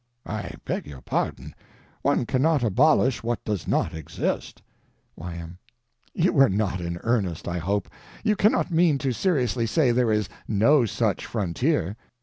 I beg your pardon. One cannot abolish what does not exist. Y.M. You are not in earnest, I hope. You cannot mean to seriously say there is no such frontier.